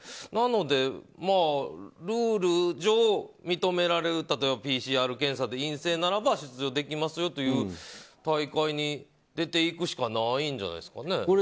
なので、ルール上認められるＰＣＲ検査で陰性ならば出場できますよという大会に出ていくしかないんじゃないんですかね。